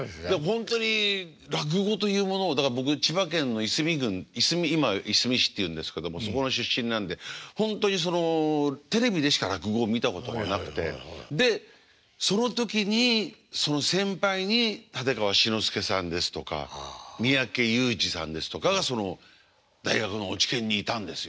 本当に落語というものをだから僕千葉県の夷隅郡今いすみ市っていうんですけどもそこの出身なんで本当にそのテレビでしか落語を見たことがなくてでその時にその先輩に立川志の輔さんですとか三宅裕司さんですとかがその大学の落研にいたんですよ。